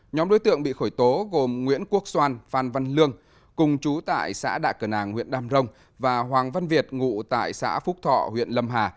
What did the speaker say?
nhóm đối tượng bị khởi tố gồm nguyễn quốc xoan phan văn lương cùng chú tại xã đạ cờ nàng huyện đàm rồng và hoàng văn việt ngụ tại xã phúc thọ huyện lâm hà